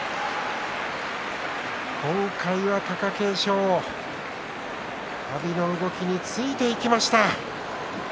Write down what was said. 今回は貴景勝阿炎の動きについていきました。